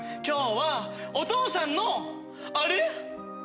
今日はお父さんのあれ？